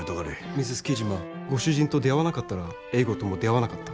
Ｍｒｓ．Ｋｉｊｉｍａ．ご主人と出会わなかったら英語とも出会わなかった。